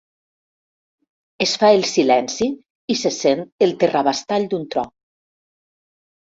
Es fa el silenci i se sent el terrabastall d'un tro.